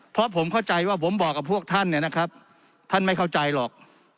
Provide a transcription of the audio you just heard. เพราะผมเข้าใจว่าผมบอกกับพวกท่านเนี่ยนะครับท่านไม่เข้าใจหรอก